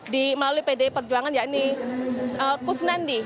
di melalui pdi perjuangan yakni kusnandi